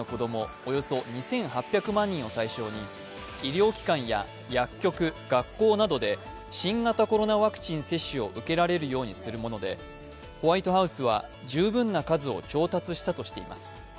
およそ２８００万人を対象に、医療機関や薬局、学校などで新型コロナワクチン接種を受けられるようにするものでホワイトハウスは、十分な数を調達したとしています。